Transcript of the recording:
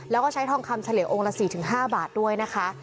แล้วก็ใช้ทองคำเฉลี่ยองค์ละ๔๕บาทด้วยนะคะ